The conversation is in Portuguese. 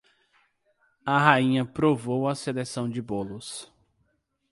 A rainha provou a seleção de bolos.